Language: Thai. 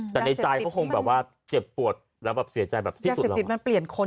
ยาเศรษฐิตมันเปลี่ยนคนอีก